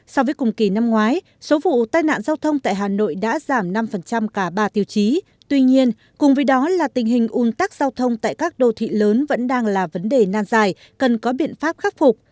so với cùng kỳ năm ngoái số vụ tai nạn giao thông tại hà nội đã giảm năm cả ba tiêu chí tuy nhiên cùng với đó là tình hình un tắc giao thông tại các đô thị lớn vẫn đang là vấn đề nan dài cần có biện pháp khắc phục